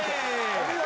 お見事。